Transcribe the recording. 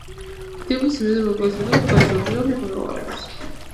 დიფუზიის მიზეზი მოლეკულების უწყვეტ ქაოსურ მოძრაობაში მდგომარეობს.